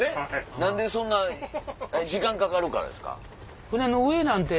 何でそんな時間かかるからですか？